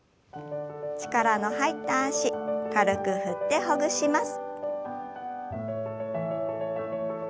力の入った脚軽く振ってほぐします。